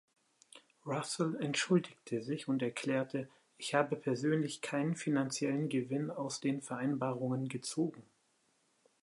Russell entschuldigte sich und erklärte: Ich habe persönlich keinen finanziellen Gewinn aus den Vereinbarungen gezogen.